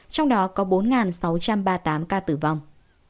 trong đó có bốn sáu trăm ba mươi tám ca tử vong